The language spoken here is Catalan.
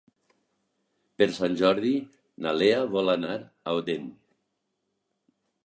Per Sant Jordi na Lea vol anar a Odèn.